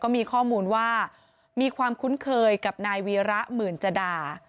มีข้อมูลว่ามีความคุ้นเคยกับนายวีระหมื่นจดา